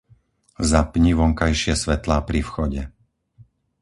Zapni vonkajšie svetlá pri vchode.